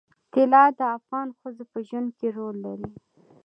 طلا د افغان ښځو په ژوند کې رول لري.